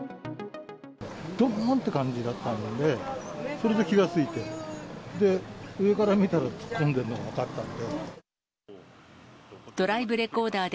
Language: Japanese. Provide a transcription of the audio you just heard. どーんっていう感じだったので、それで気が付いて、上から見たら突っ込んでるのが分かったんで。